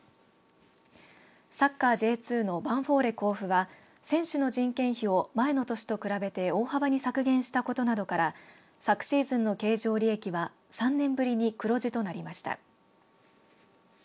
サッカーＪ２のヴァンフォーレ甲府は選手の人件費を前の年と比べて大幅に削減したことなどから昨シーズンの経常利益は３年ぶりに黒字となりました。